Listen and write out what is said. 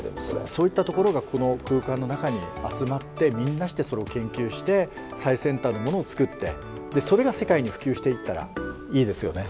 そういったところがこの空間の中に集まってみんなしてそれを研究して最先端のものを作ってそれが世界に普及していったらいいですよね。